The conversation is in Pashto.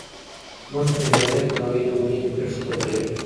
موږ په انټرنیټ کې د نړۍ له مهمو پېښو خبریږو.